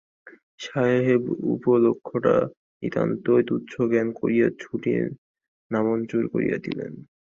সাহেব উপলক্ষটা নিতান্তই তুচ্ছজ্ঞান করিয়া ছুটি নামঞ্জুর করিয়া দিলেন।